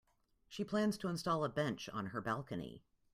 She plans to install a bench on her balcony.